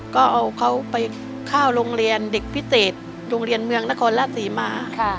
ก็เอาเขาไปเข้าโรงเรียนเด็กพิเศษโรงเรียนเมืองนครราชศรีมา